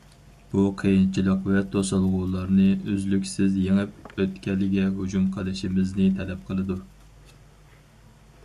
بۇ، قىيىنچىلىق ۋە توسالغۇلارنى ئۈزلۈكسىز يېڭىپ، ئۆتكەلگە ھۇجۇم قىلىشىمىزنى تەلەپ قىلىدۇ.